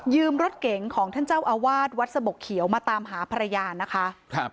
รถเก๋งของท่านเจ้าอาวาสวัดสะบกเขียวมาตามหาภรรยานะคะครับ